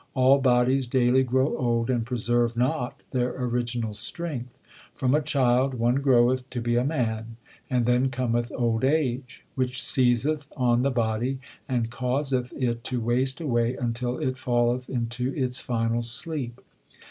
All bodies daily grow old and preserve not their original strength. From a child one groweth to be a man, and then cometh old age, which seizeth on the body and causeth it to waste away until it falleth into its final sleep.